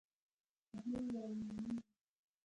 ادې وويل نانيه.